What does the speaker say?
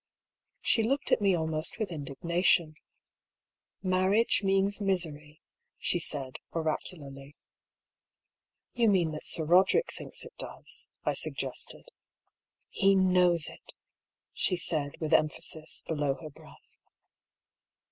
She looked at me almost with indignation. " Marriage means misery," she said, oracularly. You mean, that Sir Roderick thinks it does," I suggested. " He knows it," she said, with emphasis, below her breath.